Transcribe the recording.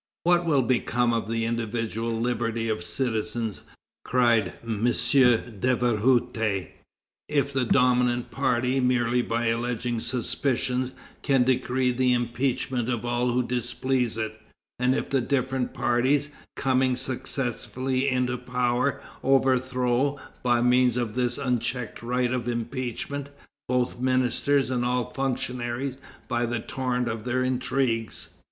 "What will become of the individual liberty of citizens," cried M. Daverhouté, "if the dominant party, merely by alleging suspicions, can decree the impeachment of all who displease it, and if the different parties, coming successively into power, overthrow, by means of this unchecked right of impeachment, both ministers and all functionaries by the torrent of their intrigues?